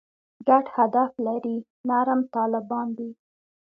ګډ هدف لري «نرم طالبان» دي.